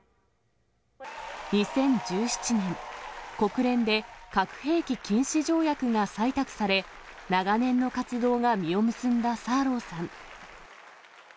２０１７年、国連で核兵器禁止条約が採択され、長年の活動が実を結んだサーローさん。